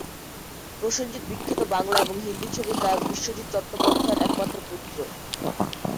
প্রসেনজিৎ বিখ্যাত বাংলা এবং হিন্দি ছবির নায়ক বিশ্বজিৎ চট্টোপাধ্যায়ের একমাত্র পুত্র।